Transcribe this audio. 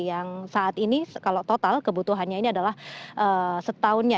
yang saat ini kalau total kebutuhannya ini adalah setahunnya